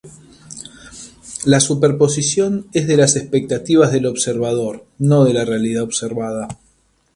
La superposición es de las expectativas del observador, no de la realidad observada.